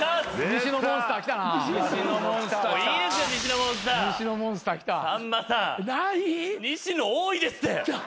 西野多いですって！